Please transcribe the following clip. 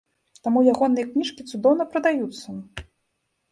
Таму ягоныя кніжкі цудоўна прадаюцца!